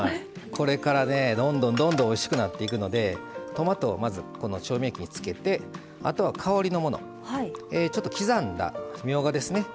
これからどんどんどんどんおいしくなっていくのでトマトを調味液につけて香りのものを刻んだみょうがですね。